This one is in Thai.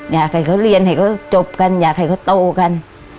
อยากให้เขาเรียนให้เขาจบกันอยากให้เขาโตกัน